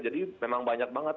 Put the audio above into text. jadi memang banyak banget